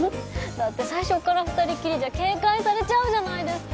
だって最初から２人きりじゃ警戒されちゃうじゃないですか。